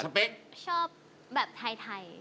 ชอบแบบไทย